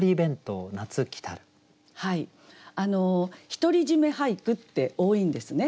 独り占め俳句って多いんですね。